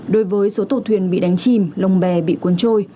đối với số tàu thuyền bị đánh chìm lồng bè bị cuốn trôi